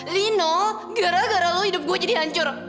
lino gara gara lalu hidup gue jadi hancur